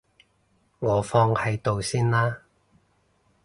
我放喺度先啦